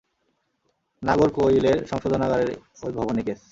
নাগরকোয়িলের সংশোধনাগারের ওই ভবানী কেস।